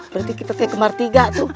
berarti kita kayak kemar tiga tuh